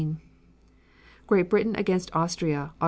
Great Britain against Austria, Aug.